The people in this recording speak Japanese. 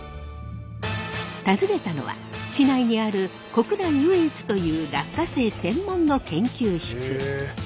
訪ねたのは市内にある国内唯一という落花生専門の研究室。